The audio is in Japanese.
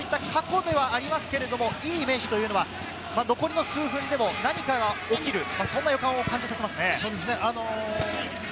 いいイメージというのは、残りの数分でも何かが起きる、そんな予感を感じさせますね。